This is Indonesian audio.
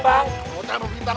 bukan kutu air